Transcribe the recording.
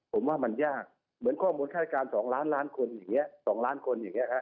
ผมว่ามันยากเหมือนข้อมูลค่านการ๒ล้านคนอย่างนี้